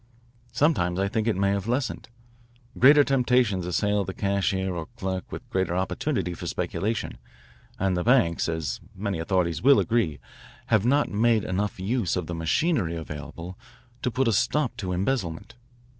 Sometimes I think it may have lessened. Greater temptations assail the cashier or clerk with greater opportunity for speculation, and the banks, as many authorities will agree, have not made enough use of the machinery available to put a stop to embezzlement.